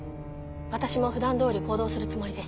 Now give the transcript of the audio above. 私もふだんどおり行動するつもりでした。